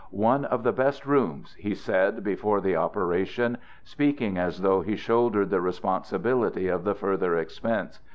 "One of the best rooms," he said before the operation, speaking as though he shouldered the responsibility of the further expense.